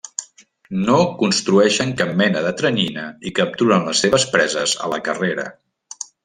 No construeixen cap mena de teranyina i capturen les seves preses a la carrera.